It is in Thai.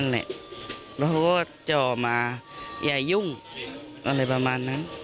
แล้วเขาก็จ่อมาอย่ายุ่งอะไรประมาณนั้น